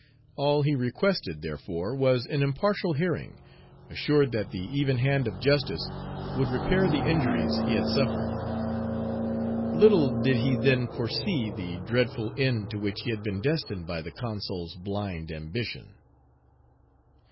All he requested, therefore, was an impartial hearing, assured that the even hand of Justice would repair the injuries he had suffered. Little did he then foresee the dreadful end to which he had been destined by the Consul's blind ambition.